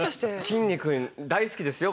きんに君大好きですよ